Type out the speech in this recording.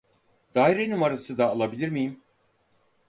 Daire numarası da alabilir miyim ?